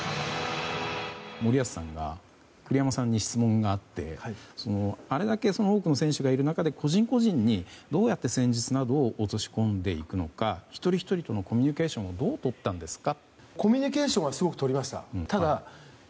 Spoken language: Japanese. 森保さんが栗山さんに質問があってあれだけ多くの選手がいる中で個人個人に、どうやって戦術などを落とし込んでいくのか一人ひとりとのコミュニケーションをどうとったんですか。